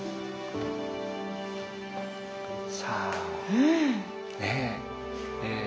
さあねえ。